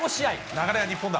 流れは日本だ。